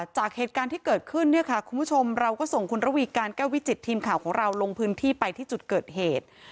จากเหตุการณ์ที่เกิดขึ้นเนี่ยค่ะคุณผู้ชมเราก็ส่งคุณระวีการแก้ววิจิตทีมข่าวของเราลงพื้นที่ไปที่จุดเกิดเหตุ